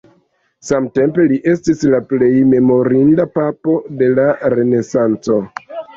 Samtempe li estis la plej memorinda papo de la renesanco.